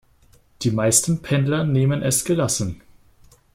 Die meisten Pendler nehmen es gelassen.